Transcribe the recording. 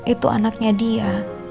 itu anaknya dia